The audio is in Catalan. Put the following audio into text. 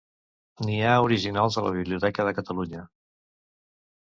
N'hi ha originals a la Biblioteca de Catalunya.